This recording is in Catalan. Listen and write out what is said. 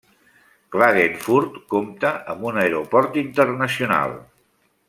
Klagenfurt compta amb un aeroport internacional.